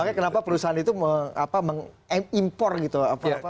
makanya kenapa perusahaan itu mengimpor gitu